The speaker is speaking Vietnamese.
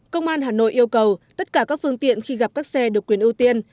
công an hà nội yêu cầu tất cả các phương tiện khi gặp các xe được quyền ưu tiên